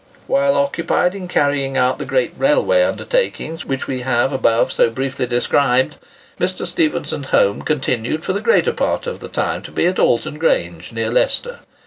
While occupied in carrying out the great railway undertakings which we have above so briefly described, Mr. Stephenson's home continued, for the greater part of the time, to be at Alton Grange, near Leicester.